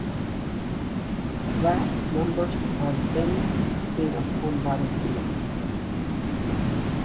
Vast numbers have been seen upon battlefields.